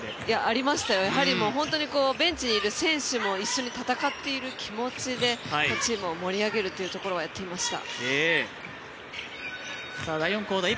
ありましたよ、やっぱりベンチにいる選手も一緒に戦っている気持ちでチームを盛り上げるということはやっていました。